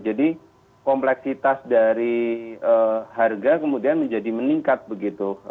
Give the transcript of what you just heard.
jadi kompleksitas dari harga kemudian menjadi meningkat begitu